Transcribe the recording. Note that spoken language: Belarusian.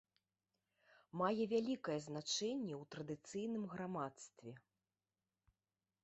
Мае вялікае значэнне ў традыцыйным грамадстве.